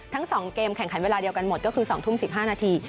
ทั้ง๒เกมแข่งขันเวลาเดียวกันหมดก็คือ๒ทุ่ม๑๕นาที